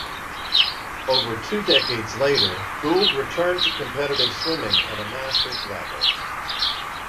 Over two decades later, Gould returned to competitive swimming at Masters level.